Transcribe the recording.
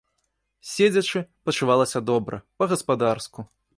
Седзячы, пачувалася добра, па-гаспадарску.